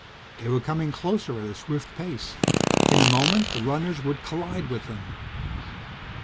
They were coming closer at a swift pace. In a moment the runners would collide with them!